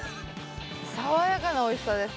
爽やかなおいしさです。